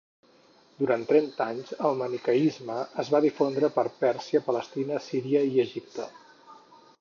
Durant trenta anys, el maniqueisme es va difondre per Pèrsia, Palestina, Síria i Egipte.